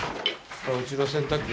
これうちの洗濯機。